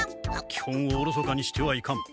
きほんをおろそかにしてはいかん。